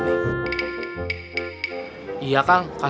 siap satu komandan